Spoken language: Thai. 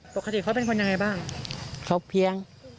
ปกติเขาเป็นคนยังไงบ้างเขาเพียง